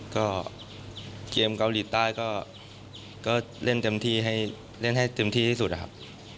ก็เกมเกาหลีใต้ก็เล่นให้เต็มที่ที่สุดครับ